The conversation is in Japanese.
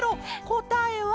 こたえは。